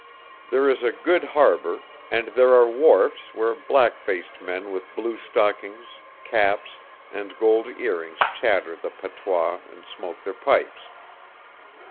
There is a good harbor, and there are wharfs where blackfaced men with blue stockings, caps, and gold earrings chatter the patois and smoke their pipes.